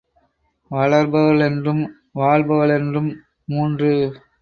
வளர்பவளென்றும், வாழ்பவளென்றும், மூன்று